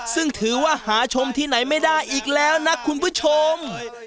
ซึ่งถือว่าหาชมที่ไหนไม่ได้อีกแล้วนะคุณผู้ชม